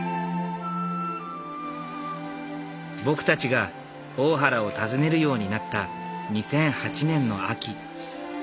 僕たちが大原を訪ねるようになった２００８年の秋。